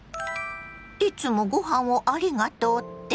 いつもごはんをありがとうって？